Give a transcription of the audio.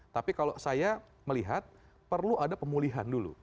tapi kalau saya melihat perlu ada pemulihan dulu